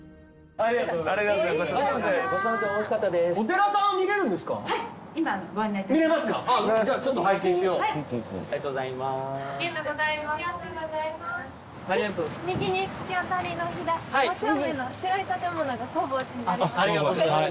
ありがとうございます。